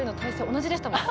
同じでしたもん。